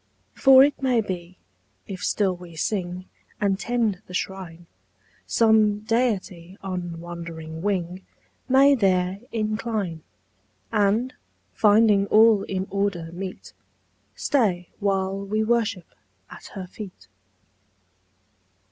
"For it may be, if still we sing And tend the Shrine, Some Deity on wandering wing May there incline; And, finding all in order meet, Stay while we worship at Her feet."